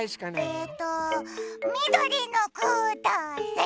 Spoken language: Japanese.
えっとみどりのください！